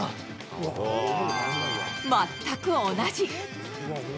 全く同じ。